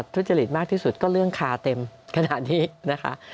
ทุจริตมากที่สุดก็เรื่องคาเต็มขนาดนี้นะคะ